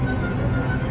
apaan sih ini